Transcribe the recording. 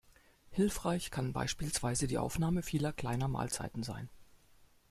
Hilfreich kann beispielsweise die Aufnahme vieler kleiner Mahlzeiten sein.